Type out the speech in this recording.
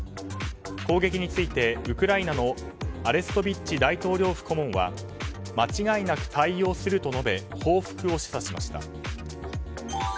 攻撃についてウクライナのアレストビッチ大統領府顧問は間違いなく対応すると述べ報復を示唆しました。